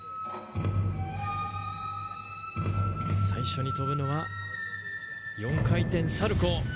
最初に跳ぶのは４回転サルコウ。